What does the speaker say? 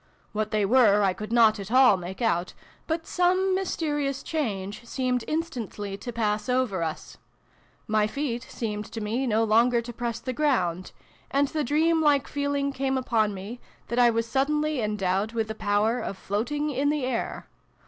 What they were I could not at all make out, but some mysterious change seemed instantly to pass over us. My feet seemed to me no longer to press the ground, and the dream like feeling came upon me, that I was suddenly endowed with the power of floating in the air.